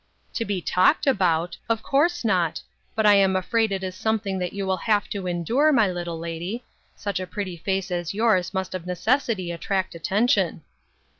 " To be talked about ? Of course not ; but I am afraid it is something that you will have to endure, my little lady. Such a pretty face as yours must of necessity attract attention."